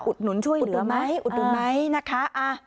หนุนช่วยเหลือไหมอุดหนุนไหมนะคะ